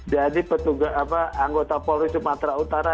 jadi anggota polri sumatera utara